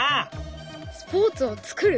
スポーツを作る？